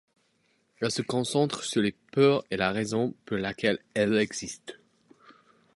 Elle se concentre sur les peurs et la raison pour laquelle elles existent.